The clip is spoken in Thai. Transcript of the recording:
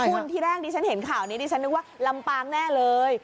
คุณที่แรกดิฉันเห็นข่าวนี้ดิฉันนึกว่าลำปางแน่เลย